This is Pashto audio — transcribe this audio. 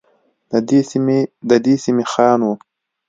ددې سمي خان وه.